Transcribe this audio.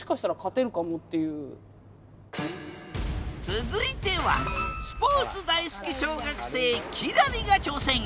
続いてはスポーツ大好き小学生輝星が挑戦！